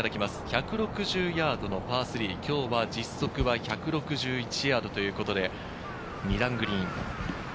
１６０ヤードのパー、今日は実測は１６１ヤードということで、２段グリーン。